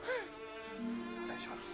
お願いします。